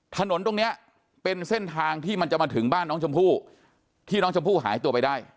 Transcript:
ถนนตรงนี้เป็นเส้นทางที่มันจะมาถึงบ้านน้องชมพู่ที่น้องชมพู่หายตัวไปได้